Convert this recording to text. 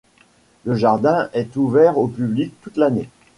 Le jardin est ouvert au public toute l'année.